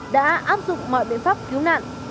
đã áp dụng mọi biện pháp cứu nạn